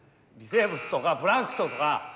微生物とかプランクトンとか。